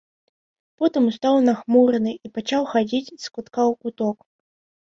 Потым устаў нахмураны і пачаў хадзіць з кутка ў куток.